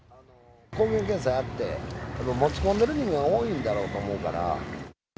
抗原検査やって、持ち込んでる人間が多いんだろうと思うから。